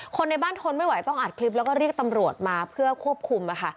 ในบ้านทนไม่ไหวต้องอัดคลิปแล้วก็เรียกตำรวจมาเพื่อควบคุมค่ะ